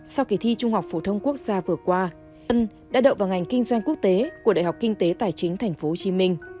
sau kỳ thi trung học phổ thông quốc gia vừa qua ân đã đậu vào ngành kinh doanh quốc tế của đại học kinh tế tài chính tp hcm